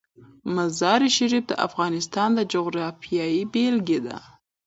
مزارشریف د افغانستان د جغرافیې بېلګه ده.